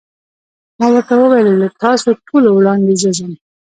ما ورته وویل: له تاسو ټولو وړاندې زه ځم.